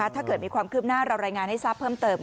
ถ้าเกิดมีความคืบหน้าเรารายงานให้ทราบเพิ่มเติม